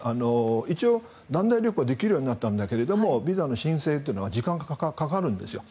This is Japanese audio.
一応、団体旅行できるようになったんだけどビザの申請というのは時間がかかるんですよ。